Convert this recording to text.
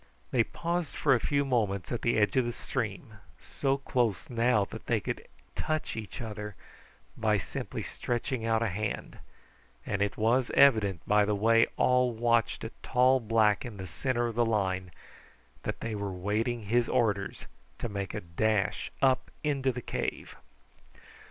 They paused for a few moments at the edge of the stream, so close now that they could touch each other by simply stretching out a hand; and it was evident by the way all watched a tall black in the centre of the line that they were waiting his orders to make a dash up into the cave.